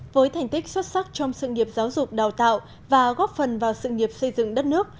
với thành tích xuất sắc trong sự nghiệp giáo dục đào tạo và góp phần vào sự nghiệp xây dựng đất nước